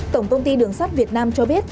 tổng công ty đường sắt việt nam cho biết